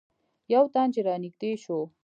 یو تن چې رانږدې شو.